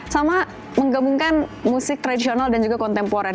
sama menggabungkan musik tradisional dan juga kontemporer